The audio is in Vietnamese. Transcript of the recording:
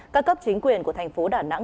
các cấp chính quyền của thành phố đà nẵng